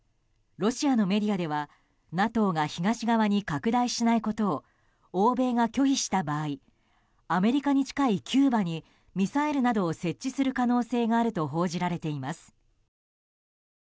ロシアのメディアではＮＡＴＯが東側に拡大しないことを欧米が拒否した場合アメリカに近いキューバにミサイルなどを設置する可能性があると報じられています。